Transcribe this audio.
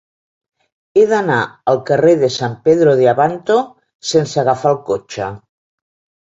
He d'anar al carrer de San Pedro de Abanto sense agafar el cotxe.